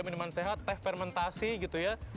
minuman sehat teh fermentasi gitu ya